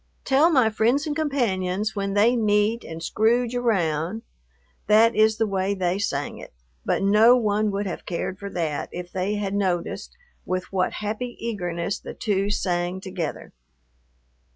"Tell my friends and companions when they meet and scrouge around"; that is the way they sang it, but no one would have cared for that, if they had noticed with what happy eagerness the two sang together.